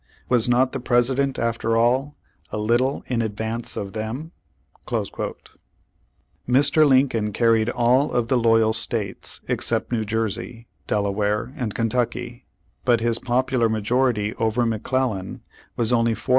Was not the Presi dent, after all, a little in advance of them?"' Mr. Lincoln carried all of the loyal states, ex cept New Jersey, Delaware and Kentucky, but his popular majority over McClellan was only 411,428.